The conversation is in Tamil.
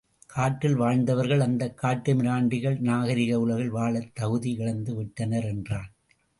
காட்டில் வாழ்ந்தவர்கள் அந்தக் காட்டுமிராண்டிகள் நாகரிக உலகில் வாழத் தகுதி இழந்து விட்டனர் என்றான்.